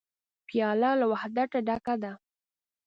پیاله له وحدته ډکه ده.